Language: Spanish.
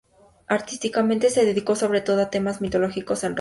Artísticamente, se dedicó sobre todo a temas mitológicos en Roma.